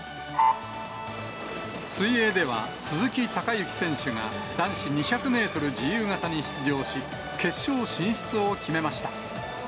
水泳では、鈴木孝幸選手が、男子２００メートル自由形に出場し、決勝進出を決めました。